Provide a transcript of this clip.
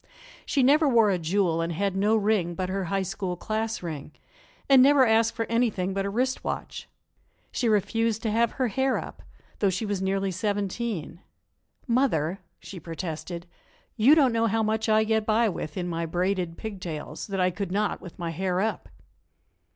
She never wore a jewel and had no ring but her High School class ring, and never asked for anything but a wrist watch. She refused to have her hair up; though she was nearly seventeen. "Mother," she protested, "you don't know how much I get by with, in my braided pigtails, that I could not with my hair up."